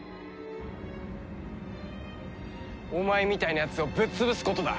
お前みたいなやつをぶっ潰すことだ